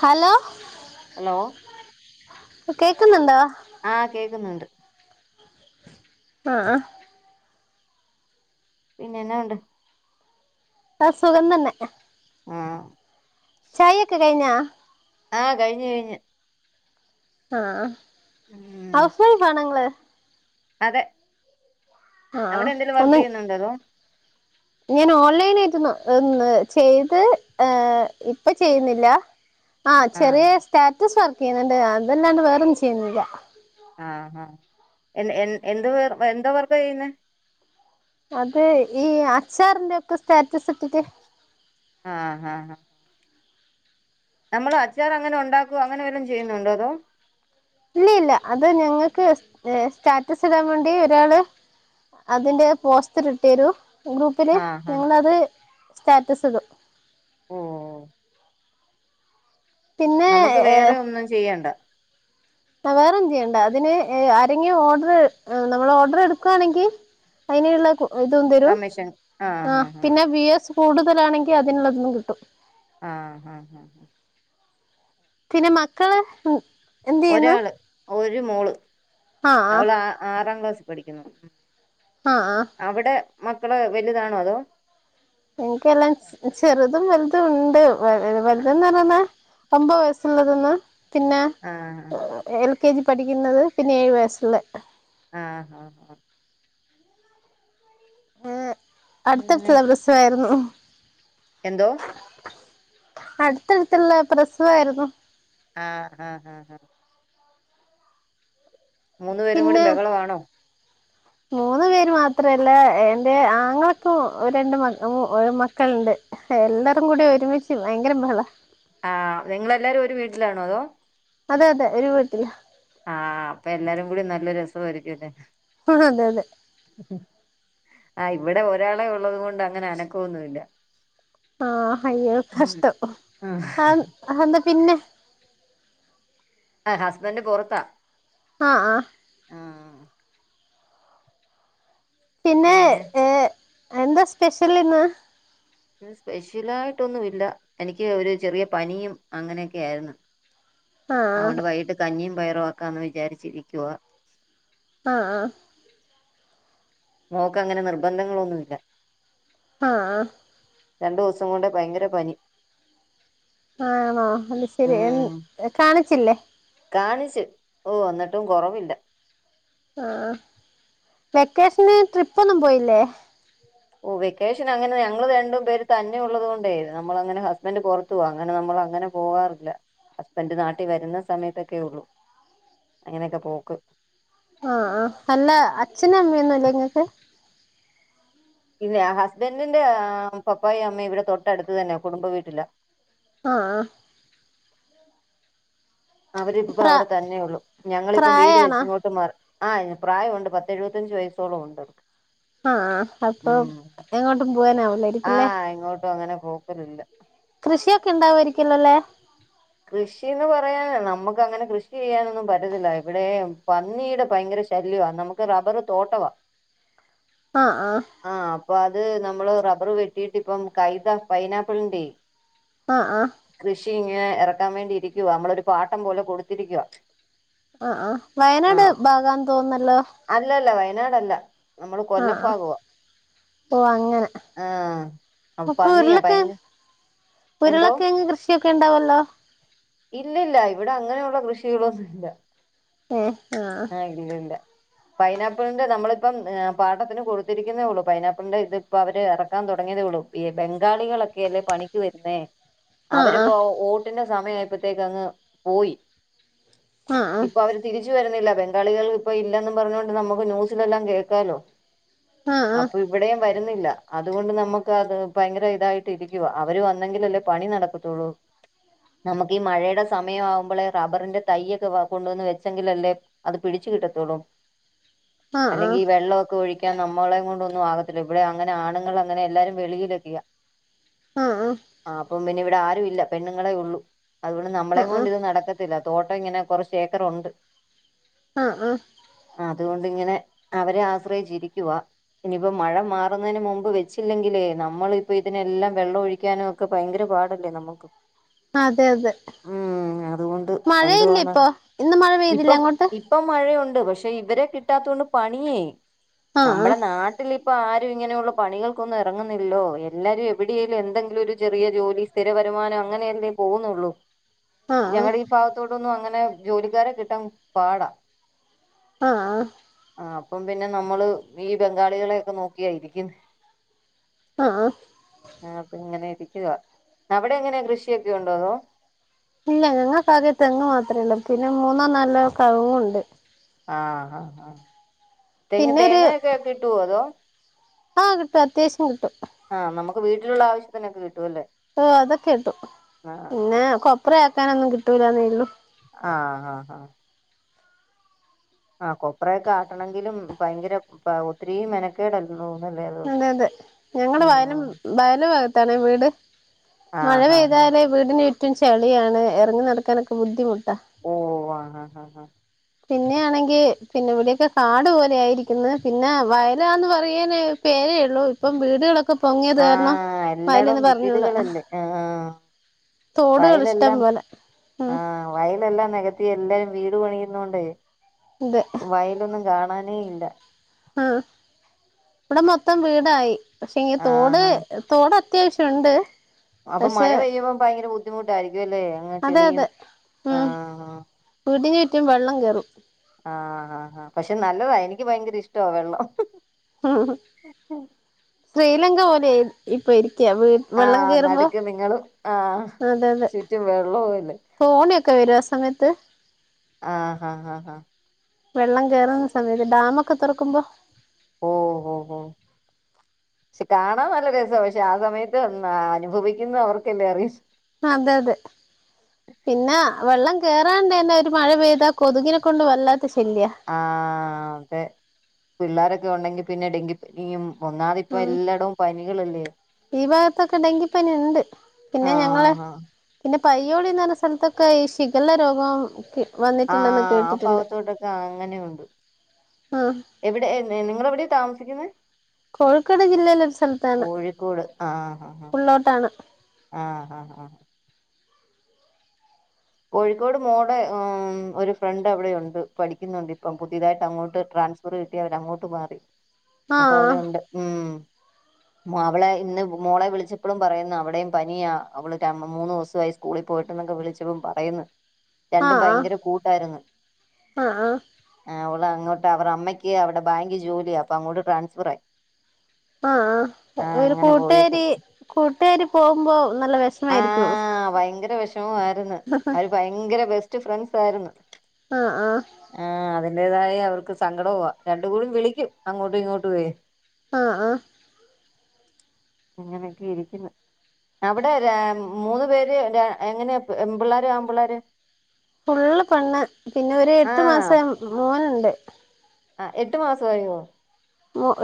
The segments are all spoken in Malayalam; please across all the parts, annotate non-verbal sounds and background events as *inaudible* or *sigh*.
ഹലോ? ഹലോ? കേൾക്കുന്നുണ്ടോ? ആഹ് കേക്കുന്നുണ്ട് ആ ആ. പിന്നെന്നാ ഉണ്ട്? ആ സുഖം തന്നെ. ആ. ചായക്കെ കഴിഞ്ഞ? ആ കഴിഞ്ഞ് കഴിഞ്ഞ്. ആ ഉം ഹൗസ് വൈഫ് ആണ ഇങ്ങള്? അതെ ആഹ് അവിടെ എന്തെങ്കിലും വർക്ക് ഒന്ന് ചെയ്യുന്നുണ്ടോ അതോ? ഞാൻ ഓൺലൈൻ ആയിട്ട്ന്ന് ചെയ്ത് ഏ ഇപ്പൊ ചെയ്യുന്നില്ല. ആ ചെറിയ ആഹ് സ്റ്റാറ്റസ് വർക്ക് ചെയ്യുന്നുണ്ട് അതല്ലാണ്ട് വേറൊന്നും ചെയ്യുന്നില്ല. ആഹാ എ എന്ത് എന്താ വർക്ക് ചെയ്യുന്നേ? അത് ഈ അച്ചാറിന്റെ ഒക്കെ സ്റ്റാറ്റസ് ഇട്ടിട്ട് ആഹ് ആഹ് ആഹ്. നമ്മൾ അച്ചാർ അങ്ങനെ ഉണ്ടാക്കുവ അങ്ങനെ വല്ലും ചെയ്യുന്നുണ്ടോ അതോ? ഇല്ല ഇല്ല അത് ഞങ്ങൾക്ക് സ്റ്റാറ്റസ് ഇടാൻ വേണ്ടി ഒരാള് അതിന്റെ പോസ്റ്റർ ഇട്ടരു ഗ്രൂപ്പില് ആഹ് ആഹ് ഞങ്ങളത് സ്റ്റാറ്റസ് ഇടും. ഓ. പിന്നെ നമുക്ക് വേറെ ഒന്നും ചെയ്യണ്ട. ആ വേറെന്ത് ചെയ്യണ്ട അതിന് ആരെങ്കിലും ഓർഡർ നമ്മള് ഓർഡർ എടുക്കുവാണെങ്കിൽ അതിനുള്ള കു ഇതും തരും കമ്മീഷൻ ആഹ് ആ ആഹ് പിന്നെ വ്യൂവേഴ്സ് കൂടുതലാണെങ്കിൽ അതിനുള്ളതിനും കിട്ടും. ആഹ് ഹാ. പിന്നെ മക്കള് എന്ത് ചെയ്യുന്നു? ഒരാള് ഒരു മോള് അവള് ആ ആറാം ക്ലാസ്സിൽ പഠിക്കുന്നു. ആഹ് ആഹ്. അവിടെ മക്കള് വലുതാണോ അതോ? എനിക്കെല്ലാം ചെറുതും വലുതും ഉണ്ട് വ വലുതന്ന് പറയുന്നേ ഒമ്പത് വയസ്സുള്ളതൊന്ന് പിന്നെ ആഹ് എൽ കെ ജി പഠിക്കുന്നത് പിന്നെ ഏഴു വയസ്സുള്ളെ ആഹ് ആഹ് ആ ഏഹ് പിന്നെ അടുത്തടുത്തുള്ള പ്രസവായിരുന്നു എന്തോ അടുത്തടുത്തുള്ള പ്രസവായിരുന്നു. ആഹ് ആഹ് ആഹ് അഹ് മൂന്നു പേരും കൂടി പിന്നെ ബഹളമാണോ? മൂന്ന് പേര് മാത്രല്ല. എന്റെ ആങ്ങളക്കു ഒ രണ്ട് മ ഓ ഒര് മക്കള്ണ്ട്. എല്ലാരും കൂടി ഒരുമിച്ച് ഭയങ്കര ബഹളാ ആഹ് നിങ്ങളെല്ലാരും ഒരു വീട്ടിലാണോ അതോ? അതെ അതെ ഒരു വീട്ടിലാ ആഹ് അപ്പൊ എല്ലാരും കൂടി നല്ല രസമായിരിക്കു അല്ലെ പ്പളൂ അതെ അതെ ആഹ് ഇവടെ ഒരാളെ ഉള്ളത് കൊണ്ട് അങ്ങനെ അനക്കൊന്നുല്ല ആഹ് ഹയ്യോ കഷ്ടം ആഹ് അതെന്താ പിന്നെ ആഹ് ഹസ്ബൻഡ് പൊറത്താ ആഹ് ആഹ് പിന്നെ ഏഹ് എന്താ സ്പെഷ്യൽഇന്ന്? സ്പെഷ്യലായിട്ടൊന്നു. ഇല്ല എനിക്ക് ഒരു ചെറിയ പനിയും അങ്ങനെയൊക്കെ ആയിരുന്നു. അഓണ്ട് ആഹ് വൈകിട്ട് കഞ്ഞിയും പയറും ആക്കാന്ന് വിചാരിച്ചിരിക്കുവ. ആഹ് ആഹ് മോക്ക് അങ്ങനെ നിർബന്ധങ്ങളൊന്നുമില്ല. ആഹ് ആഹ് രണ്ടോസം കൊണ്ടേ ഭയങ്കര പനി ആണോ അത് ശരി എൻ കാണിച്ചില്ലേ? കാണിച്ചു ഓഹ് എന്നട്ടും കൊറവില്ല. ആഹ് വെക്കേഷന് ട്രിപ്പ് ഒന്നും പോയില്ലേ ഓ വെക്കേഷന് അങ്ങനെ ഞങ്ങള് രണ്ടും പേര് തന്നെ ഉള്ളത് കൊണ്ടേ നമ്മള് അങ്ങനെ ഹസ്ബൻഡ് പൊറത്തുവാ അങ്ങനെ നമ്മള് അങ്ങനെ പോവാറില്ല ഹസ്ബൻഡ് നാട്ടി വരുന്ന സമയത്തൊക്കെ ഒള്ളൂ. അങ്ങനെക്കെ പോക്ക് ആഹ് ആ അല്ല അച്ഛനും അമ്മയൊന്നുല്ലേ ഇങ്ങക്ക് ഇല്ല ഹസ്ബൻറിന്റെ ഏഹ് പപ്പായും അമ്മയും ഇവിടെ തൊട്ടടുത്ത് തന്നാ കുടുംബ വീട്ടിലാ. ആഹ് ആ അവരിപ്പോ പ്പൊ പ്രാ അവിടെ തന്നെ ഉള്ളൂ ഞങ്ങളിപ്പം വീട് വെച്ച് പ്രായാണോ ഇങ്ങോട്ട് മാറി ആഹ് പ്രായവൊണ്ട് പത്ത് എഴു വത്തഞ്ച് വയസ്സോളം ഉണ്ട് അവർക്ക് ആഹ് അപ്പൊ ഉം എങ്ങോട്ടും പോവാനാവൂലായിരിക്കുംല്ലേ ആഹ് എങ്ങോട്ടും അങ്ങനെ പോക്കലില്ല കൃഷിയൊക്കെ ഉണ്ടോ അവര്ക്ക് ഇല്ലല്ലോ കൃഷീന്ന് പറയാൻ നമ്മുക്ക് അങ്ങനെ കൃഷി ചെയ്യാനൊന്നും പറ്റത്തില്ല ഇവിടെ പന്നീടെ ഭയങ്കര ശല്യവാ നമക്ക് റബ്ബർ തോട്ടവാ ആഹ് ആഹ് അപ്പൊ അത് നമ്മള് റബ്ബർ വെട്ടീട്ട് ഇപ്പം കൈത പൈനാപ്പിളിന്റെ ആഹ് ആഹ് ഇഞ്ഞ് എറക്കാൻ വേണ്ടിയിരിക്കുവാ നമ്മളൊരു പാട്ടം പോലെ കൊടുത്തിരിക്കുവാ ആഹ് ആഹ് വയനാട് ഭാഗാന്ന് തോന്നുന്നല്ലോ അല്ല അല്ല വയനാടല്ല നമ്മള് കൊല്ലം ആഹ് ആഹ് ഭാഗവാ ഓ അങ്ങനെ ആ അ പന്നിയാ ഭയങ്ക ഉരുളകെഴങ്ങു കൃഷിയൊക്കെ ഇണ്ടാവുല്ലോ ഇല്ലല്ല ഇവിടെ അങ്ങനെയുള്ള കൃഷികളൊന്നുംല്ല എ ആ ഇല്ല ഇല്ല പൈനാപ്പിളിന്റെ നമ്മളിപ്പം ഏഹ് പാട്ടത്തിന് കൊടുത്തിരിക്കുന്നേ ഉള്ളൂ. പൈനപ്പിളിന്റെ ഇതിപ്പോ അവര് എറക്കാൻ തുടങ്ങി. ങ്ങനെ വിടും, ഈ ബംഗാളികളൊക്കെ അല്ലേ പണിക്ക് വരുന്നേ. ആഹ് അവരപ്പോ ഓട്ടിന്റെ സമയായപ്പോത്തേക്ക് അങ്ങ് പോയി, ആഹ് ഇപ്പൊ അവര് തിരിച്ചു വരുന്നില്ല. ബംഗാളികൾ ഇപ്പൊ ഇല്ലന്നും പറഞ്ഞൊണ്ട് നമുക്ക് ന്യൂസിലെല്ലാം കേൾക്കാലോ. ആഹ് അപ്പൊ ഇവിടെയും വരു തില്ല. അതുകൊണ്ട് നമ്മക്ക് അത് ഭയങ്കര ഇതായിട്ട് ഇരിക്കുവ. അവര് വന്നെങ്കില് അല്ലേ പണി നടക്കത്തുള്ളൂ. നമുക്ക് ഈ മഴയുടെ സമയാവുമ്പളേ റബ്ബറിന്റെ തയ്യൊക്കെ വ കൊണ്ടുവന്ന് വെച്ചെങ്കിലല്ലേ അത് പിടിച്ച് കിട്ടത്തോള്ളൂ. ആഹ് ആഹ് അല്ലെങ്കി ഈ വെള്ള ഒക്കെ ഒഴി- ക്കാൻ നമ്മളെ കൊണ്ട് ഒന്നും ആകത്തില്ല. ഇവിടെ അങ്ങനെ ആണുങ്ങൾ അങ്ങന എല്ലാരും വെിയിലൊക്കെയാ. ആഹ് അ പിന്നെ ഇവിടെ ആരു ഇല്ല. പെണ്ണുങ്ങളെ ഉള്ളു അതുകൊണ്ട് നമ്മളെ ആഹ് ആഹ് കൊണ്ട് ഇത് നടക്കത്തില്ല. തോട്ടം ഇങ്ങനെ കൊറച്ച് ഏക്കറ ഉണ്ട്. അഹ് അ അതുകൊണ്ടിങ്ങനെ അവരെ ആശ്രയിച്ചിരിക്കുവാ. ഇനി പ്പം മഴ മാറുന്നതിന് മുമ്പ് വെച്ചില്ലെങ്കിലേ നമ്മളിപ്പ ഇതിനെല്ലാം വെള്ളം ഒഴിക്കാനും ഒക്കെ ഭയങ്കര പാടല്ലേ നമ്മുക്ക് അതെ അതെ അതുകൊണ്ട് മഴയില്ലേ എന്തുവാണ് ഇപ്പൊ, ഇന്ന് മഴ പെയ്തില്ലേ ഇപ്പം അങ്ങോട്ട്? ഇപ്പം മഴയുണ്ട്, പക്ഷെ ഇവരെ കിട്ടാത്തൊണ്ട് പണിയേ, ആഹ് നമ്മടെ നാട്ടില് ഇപ്പൊ ആരും ഇങ്ങനെയുള്ള പണികൾക്കൊന്നും എറങ്ങുന്നിൽല്ലോ, എല്ലാരും എവിടെയലും എന്തെങ്കിലും ഒരു ചെറിയ ജോലി സ്ഥിര വ- രുമാന അങ്ങനെ എന്തേ പോകുന്നുള്ളൂ. ആഹ് ആഹ് ഞങ്ങടെ ഈ ഭാഗത്തോട്ടൊന്നും അങ്ങനെ ജോലിക്കാരെ കിട്ടാൻ പാടാ. ആഹ് അ പ്പം പിന്നെ നമ്മള് ഈ ബംഗാളികളെയൊക്കെ നോക്കിയായിരിക്കും. ആഹ് ആഹ് ആഹ് അപ്പൊ ഇങ്ങനെ ഇരി *unintelligible* അവിടെ എങ്ങനെ കൃഷിയൊക്കെ ഉണ്ടോ? അതോ, ഇല്ല ഞങ്ങക്കാകെ തെങ്ങ് മാത്രള്ളൂ പിന്നെ മൂന്നോ നാലോ കവുങ്ങൂണ്ട്. ആഹ് ആ തെങ്ങ് പിന്നെ ഒരു തേങ്ങാക്കെ കിട്ടുവോ അതോ ആഹ് കിട്ടും അത്യാവശ്യം കിട്ടും. ആഹ് നമുക്ക് വീട്ടിലുള്ള ആവശ്യത്തിനക്കെ കി. ഓഹ് അതൊക്കേട്ടു ആഹ് പിന്നെ കൊപ്ര ആക്കാനൊന്നും കിട്ടൂലന്നെയ്ള്ളൂ ആഹ് ഹാ ഹാ ആ കൊപ്രയൊക്കെ ആട്ടണെങ്കിലും ഭയങ്കര ഒത്തിരി മെനക്കേടള്ളൂ അതെ അതെ ഞങ്ങളെ വയലും വയല് ഭാഗത്താണ് വീട് മഴ ആഹ് ആഹ് പെയ്താ ആഹ് ല് വീടിന് ചുറ്റും ചെളിയാണ് എറങ്ങി നടക്കാനൊക്കെ ബുദ്ധിമുട്ട് ഓ ആഹ് ഓഹ് ആഹ് ആഹ് ആഹ് പിന്നാണെങ്കി പിന്നെ ഇവിടൊക്കെ കാട് പോലെ ആയിരിക്കുന്ന് പിന്നെ വയലാന്ന് പറയ് ന് പേരേയുള്ളൂ ഇപ്പം വീട് ലൊക്കെ ഒക്കെ പൊങ്ങിയ കാരണം ആഹ് പയ നൊ എല്ലായിടവും ന്ന് പറഞ്ഞൂട വയലെ എല്ലാം ആ ഉം വയല എല്ലാം നകത്തി എല്ല വീട് പണിയുന്നോണ്ട് അതെ വയലൊന്നും കാണാനേ ഇല്ല ആ ഇവിടെ മൊത്തം വീടായി പക്ഷെ ഇനി ആഹ് തോട് ആഹ് തോട അത്യാവശ്യംഉണ്ട്, അപ്പൊ മഴ പെയ്യ്മ്പൊ ഭയങ്കര ബുദ്ധിമുട്ടായിരിക്കും അല്ലേ അങ്ങനെ അതെ ചെളിയും അതെ ആ ഉം വീടിന്ചുറ്റും വെള്ളം കേറും ആഹ് ഹ ഹ പക്ഷെ നല്ലതാ എനിക്ക് ഭയങ്കര ഇഷ്ടമാ വെള്ളം ഉം ശ്രീലങ്ക പോലെയാ ഇപ്പ ഇ *unintelligible* ആ വെള്ളം കെറുമ്പോ നടുക്ക് നിങ്ങളും ആ അതെ അതെ ചുറ്റും വെള്ളവും അല്ലേ കോണി ക്കെ വരൊ സമയത്ത് ആ ആഹ് ആഹ് വെള്ളം കയറുന്ന സമയത്ത് ഡാമൊക്കെ തൊറക്കുമ്പോ ഓ ഓ ഓ പക്ഷെ കാണാൻ നല്ല രസാണ് പക്ഷെ ആ സമയത്ത് ആ അനുഭവിക്കുന്ന അവർക്കല്ലേ അറിയു അതെ അതെ പിന്നെ വെള്ളം കേറാണ്ടന്നെ ഒരു മഴ പെയ്താ കൊതുകിനെ കൊണ്ട് വല്ലാത്ത ശല്യ ആ അതെ പിള്ളാരൊക്കെ ഉണ്ടെങ്കി പിന്നെ ഡെങ്കിപ്പനിയും ഒന്നാമത് ഇപ്പൊ ഉം എല്ലാടോം പനികളല്ലേ ഈ ഭാഗത്തൊക്കെ ഡെങ്കിപ്പനി ഇണ്ട് പിന്നെ ആ ഞങ്ങളെ ആ പിന്നെ പയ്യോളീന്ന് പറഞ്ഞ സ്ഥലത്തൊക്കെ ഈ ഷിഗല്ല രോഗം *unintelligible* ആ ആ കേട്ടിട്ടുണ്ട് ഭാവത്തോട്ടൊക്കെ അങ്ങനെയുണ്ട് ആഹ് എവിടെ നിങ്ങൾ എവിടെ താമസിക്കുന്നേ കോഴിക്കോട് ജില്ലയില ഒരു സ്ഥലത്താണ് കോഴിക്കോട് ഉള്ളോട്ടാണ് ആ ആഹ് കോഴിക്കോട് മോടെ ഒരു ഫ്രണ്ട് അവിടെയുണ്ട് പഠിക്കുന്നുണ്ട് ഇപ്പം പുതിയതായിട്ട് അങ്ങോട്ട് ട്രാ ട്രാൻസ്ഫർ കിട്ടി അവര് അങ്ങോട്ട് മാറി അപ്പൊ ആഹ് അവിടെ ഉണ്ട് ഉം അവളെ ഇന്ന് മോളെ വിളിച്ചപ്പോഴും പറയുന്ന അവിടെയും പനിയ അവള് മൂന്ന് ദിവസായി സ്കൂളിൽ പോയിട്ട് എന്നൊക്കെ വിളിച്ചപ്പം പറയുന്ന് രണ്ടും ആഹ് ഭയങ്കര കൂട്ടായിരുന്നു ആഹ് ആഹ് ആ അവള് അങ്ങോട്ട് ട്ട അവർ അമ്മക്ക് അവിടെ ബാങ്കി ജോലിയ അപ്പ അങ്ങോട്ട് ട്രാൻസ്ഫർ ആയി ആ ആ ആഹ് ഒരു അങ്ങനെ കൂട്ടുകാരി പോയേക്കുന്നു കൂട്ടുകാരി പോകുമ്പോ നല്ല ആ വിഷമായിരിക്കും ഭയങ്കര വിഷമ ആരുന്നു അവര് ഭയങ്കര ബെസ്റ്റ് ഫ്രണ്ട്സ് ആര്ന്നു ആഹ് ആഹ് ആ അതിന്റേതായ അവർക്ക് സങ്കടുവാ രണ്ട് കൂടി വിളിക്കും അങ്ങോട്ടും ഇങ്ങോട്ടുവേ ആ ആ അങ്ങനൊക്കെ ഇരിക്കുന്നു അവിടെ ര മൂന്ന് പേര് ര എങ്ങനെയ പെൺപിള്ളേര് ആൺപിള്ളേര് ഫുള്ള് പെണ്ണ് പിന്നെ ഒരു എട്ട് മാസായ മോനുണ്ട് ആ എട്ടു മാസായോ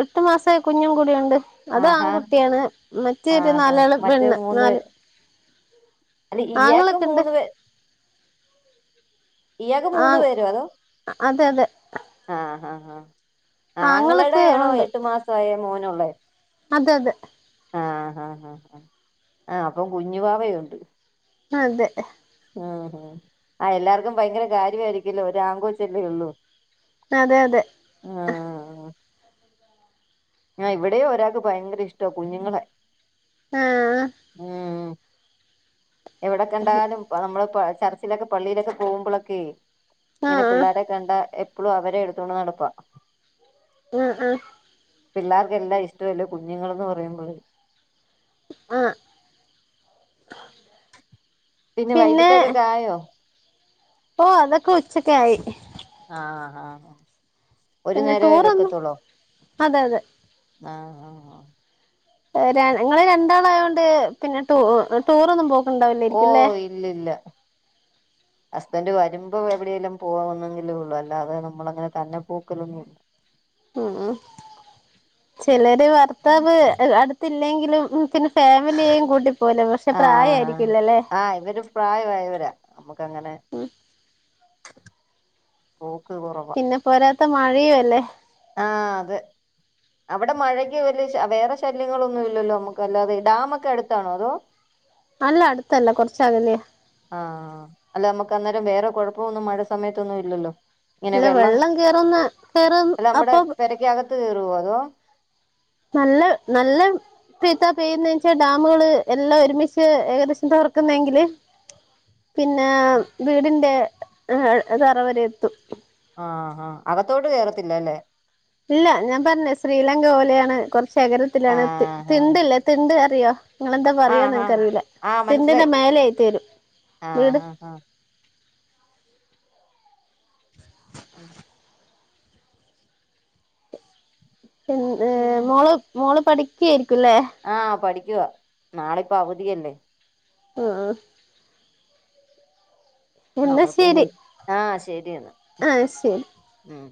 എട്ട് മാസായ കുഞ്ഞും കൂടിയുണ്ട് അത് ആഹാ ആൺകുട്ടിയാണ് മറ്റേത് ആഹാ നാലാള് മറ്റേ പെണ്ണ് നാല് അത് ഇയാക്ക് ആങ്ങളൊക്കെ ഉണ്ട് മൂന്ന് പെ ആ അതെ അതെ ആ ആഹ് ആങ്ങളൊക്കെ അങ്ങളെടെയാണോ ഉണ്ട് എട്ടു മാസായ മോനുള്ളെ അതെ അതെ ആ ആ ആ അപ്പം കുഞ്ഞു വാവയുണ്ട് അ അതെ ഉം മ് ആ എല്ലാർക്കും ഭയങ്കര കാര്യായിരിക്കല്ലോ ഒരു ആങ്കോച്ചല്ലേ ഉള്ളൂ അതെ അതെ അ ഇവിടെയോ ഒരാൾക്ക് ഭയങ്കര ഇഷ്ടാ കുഞ്ഞുങ്ങളെ ആ ഉം എവിടെകണ്ടാലും നമ്മള് പ ചർച്ചിലൊക്കെ പള്ളിയിലൊക്കെ പോകുമ്പോളൊക്കെ ഇങ്ങനെ ആഹ് പിള്ളാരെ കണ്ട എപ്പളും അവരെ എടുത്തോണ്ട് നടപ്പാ ആ ആ പിള്ളേർക്കെല്ലാം ഇഷ്ടല്ലേ കുഞ്ഞുങ്ങളന്ന് പറയുമ്പോഴ്‌ ആ പിന്നെ വൈട്ടത്തക്കെക്കായോ ഓ അതൊക്കെ ഉച്ചക്കെ ആയി ആ ആ ഒരു പിന്നെ നേരവേ ടൂറൊന്നും വെക്കത്തോള്ളോ? അതെ അതെ ആ ആ ആ ഏ ര ങ്ങള് രണ്ടാളായോണ്ട് പിന്നെ ടൂ ടൂറൊന്നും പോ ഓ ഇല്ലില്ല. ഹസ്ബൻഡ് വരുമ്പ എവിടേലും പോവന്നെങ്കിലേ ഉള്ളു അല്ലാതെ നമ്മളങ്ങനെ തന്നെ പോക്കലൊന്നു ഉം ചെലര് വർത്താവ് അടുത്തില്ലെങ്കിലും പിന്നെ ഫാമിലിയെയും കൂട്ടി പോല പഷെ ആഹ് ആഹ് പ്രായായിരിക്കില്ലല്ലേ? ക്കങ്ങനെ ഉം പോ പിന്നെ പോരാത്ത മഴയുവല്ലേ. ആ അതെ അവിടെ മഴയ്ക്ക് വെലിയ വേറെ ശല്യങ്ങളൊന്നുല്ലല്ലോ മ്മക്ക് അല്ലാതെ ഡാമക്കെ അടുത്താണോ അതോ? അല്ല അടുത്തല്ല കൊറച്ചകലേയാ. ആ അല്ല മ്മക്ക് അന്നേരം വേറെ കൊഴപ്പോന്നും മഴ സമേത്തൊന്നു ഇല്ലല്ലോ? ങ്ങനെ അല്ല വെള്ളം കേറുന്ന കേറും അല്ല മ്മടെ അപ്പൊ പെരക്കകത്ത് കേറുവോ അതോ? നല്ല നല്ല പ്പയ്ത്താ പെയ്യുന്നെച്ചാൽ ഡാമുകള് എല്ലാം ഒരുമിച്ച് ഏകദേശം തൊറക്കുന്നെങ്കില് പിന്നാ വീടിന്റെ തറ വരെ എത്തും. ആ ആ അകത്തോട്ട് കേറത്തില്ലാലേ? ഇല്ല ഞാൻ പറഞ്ഞേ ശ്രീലങ്ക പോലെയാണ് കൊറച്ചകരത്തിലാണ് ത് ആഹ് ആഹ് തിണ്ടില്ലേ തിണ്ട് അറിയോ നിങ്ങളെന്താ പറയാന്ന് ആഹ് ആഹ് എൻക്കറിയൂല തിണ്ടിന്റെ മേലേയായിട്ട് വരും. ആ വീട് ആ ആ *unintelligible* *inaudible* പിൻ ഏ മോള് മോള് പഠിക്കാരി ആ പഠിക്കുവാ നാളെപ്പോ അവധിയല്ലേ? ആ അവർക്കിന്നെ ശരി ആ ശരിയെന്ന ആഹ് ശരി ഉം